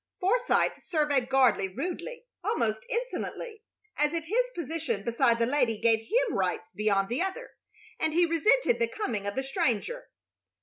Forsythe surveyed Gardley rudely, almost insolently, as if his position beside the lady gave him rights beyond the other, and he resented the coming of the stranger.